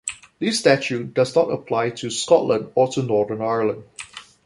This statute does not apply to Scotland or to Northern Ireland.